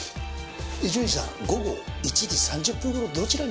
伊集院さん午後１時３０分頃どちらに？